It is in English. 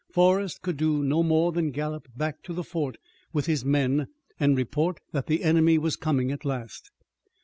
Forrest could do no more than gallop back to the fort with his men and report that the enemy was coming at last.